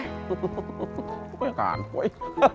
ya kan poi